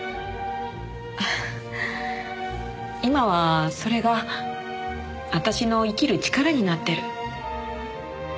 今はそれが私の生きる力になってる。